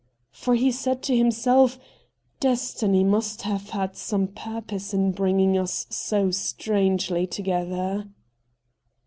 For he said to himself, ' Destiny must have had some purpose in bringing us so strangely together.'